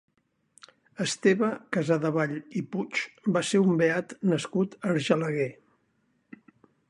Esteve Casadevall i Puig va ser un beat nascut a Argelaguer.